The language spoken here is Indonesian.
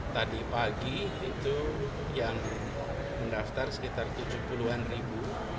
tadi pagi itu yang mendaftar sekitar tujuh puluh an ribu